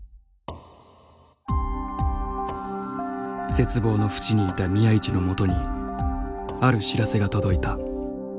絶望のふちにいた宮市のもとにある知らせが届いた。